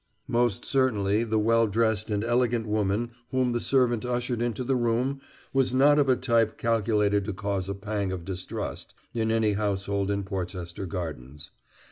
Most certainly, the well dressed and elegant woman whom the servant ushered into the room was not of a type calculated to cause a pang of distrust in any household in Porchester Gardens.